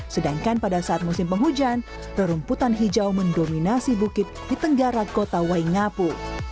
sedangkan pada saat musim penghujan rumputan hijau mendominasi bukit di tenggara kota waingapu